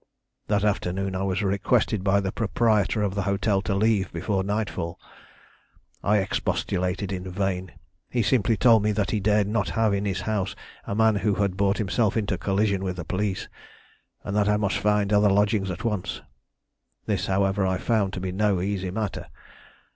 "That afternoon I was requested by the proprietor of the hotel to leave before nightfall. I expostulated in vain. He simply told me that he dared not have in his house a man who had brought himself into collision with the police, and that I must find other lodgings at once. This, however, I found to be no easy matter.